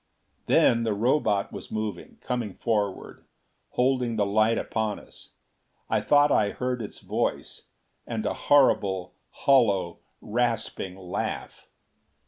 Then the Robot was moving; coming forward; holding the light upon us. I thought I heard its voice and a horrible, hollow, rasping laugh.